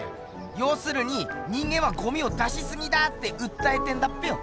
ようするに人間はゴミを出しすぎだってうったえてんだっぺよ。